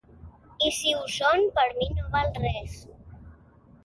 I, si ho són, per mi no val res.